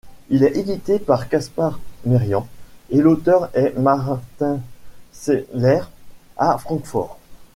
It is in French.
Il est édité par Kaspar Merian et l'auteur est Martin Zeiller à Francfort.